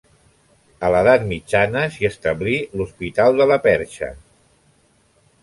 A l'edat mitjana, s'hi establí l'hospital de la Perxa.